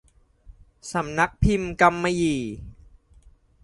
สำนักพิมพ์กำมะหยี่